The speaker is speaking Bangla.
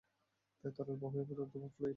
তাই তরল প্রবাহী পদার্থ বা ফ্লুইড।